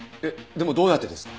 でもどうやってですか？